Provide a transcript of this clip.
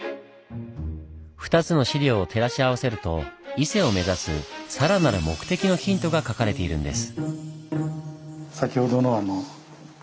２つの資料を照らし合わせると伊勢を目指すさらなる目的のヒントが書かれているんです。